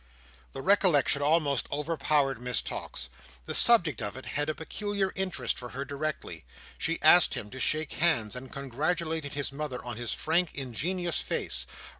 The recollection almost overpowered Miss Tox. The subject of it had a peculiar interest for her directly. She asked him to shake hands, and congratulated his mother on his frank, ingenuous face.